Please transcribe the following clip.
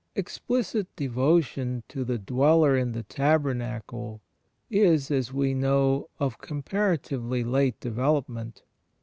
Explicit devotion to the Dweller in the Tabernacle , is, as we know, of comparatively late development.